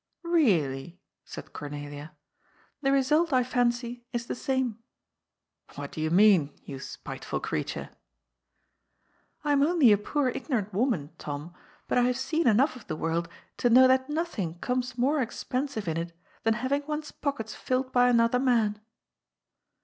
^' Beally ?" said Cornelia. ^ The result, I fancy, is the same." ^^ What do you mean, you spiteful creature ?"^^ I am only a poor ignorant woman, Tom, but I have seen enough of the world to know that nothing comes more expensive in it than having one's pockets filled by another man."